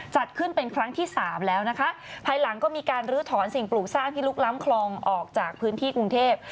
จัดขึ้นเป็นครั้งที่สามแล้วนะคะภายหลังก็มีการลื้อถอนสิ่งปลูกสร้างที่ลุกล้ำคลองออกจากพื้นที่กรุงเทพ